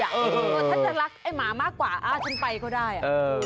ถ้าจะรักไอ้หมามากกว่าฉันไปก็ได้